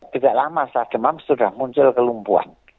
tidak lama setelah demam sudah muncul kelumpuan